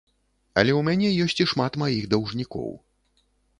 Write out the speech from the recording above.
Але ў мяне ёсць і шмат маіх даўжнікоў.